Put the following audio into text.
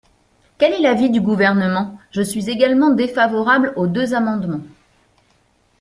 Quel est l’avis du Gouvernement ? Je suis également défavorable aux deux amendements.